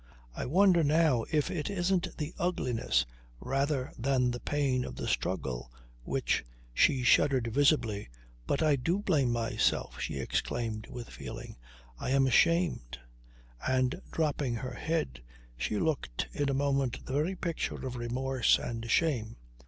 I wonder now if it isn't the ugliness rather than the pain of the struggle which ..." She shuddered visibly: "But I do blame myself," she exclaimed with feeling. "I am ashamed." And, dropping her head, she looked in a moment the very picture of remorse and shame.